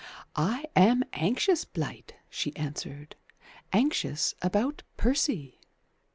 "I am anxious, Blight," she answered. "Anxious about Percy."